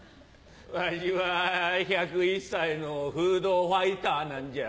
わしは１０１歳のフードファイターなんじゃ。